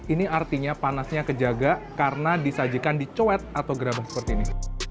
ini artinya panasnya sangat terjaga karena disajikan di cowet atau gerabang seperti ini